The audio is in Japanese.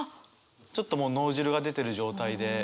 ちょっともう脳汁が出てる状態で上の方は。